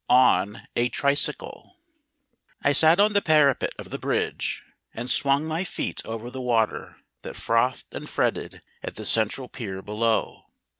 ON A TRICYCLE I sat on the parapet of the bridge, and swung my feet over the water that frothed and fretted at the central pier below.